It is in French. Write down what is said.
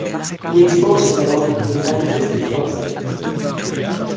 Il expose au Salon des artistes français.